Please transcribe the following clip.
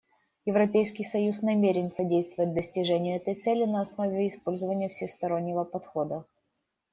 Европейский союз намерен содействовать достижению этой цели на основе использования всестороннего подхода.